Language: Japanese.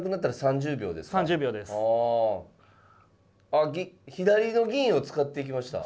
あ左の銀を使っていきました。